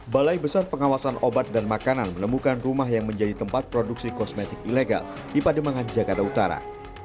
balai besar pengawasan obat dan makanan menemukan rumah yang menjadi tempat produksi kosmetik ilegal di pademangan jakarta utara